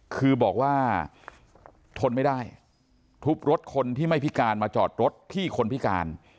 คือบอกว่าทนไม่ได้ทุบรถคนที่ไม่พิการมาจอดรถที่คนพิการ